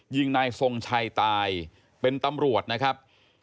ยิงนายทรงชัยตายเป็นตำรวจนะครับ